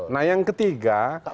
nah yang ketiga